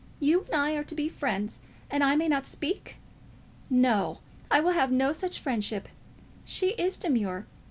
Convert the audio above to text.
You and I are to be friends, and I may not speak? No; I will have no such friendship! She is demure.